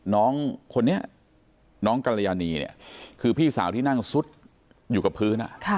น้องคนนี้น้องกรยานีเนี่ยคือพี่สาวที่นั่งซุดอยู่กับพื้น